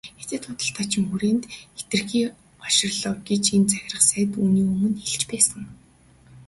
Хятад худалдаачин хүрээнд хэтэрхий олширлоо гэж энэ захирах сайд үүний өмнө хэлж байсан.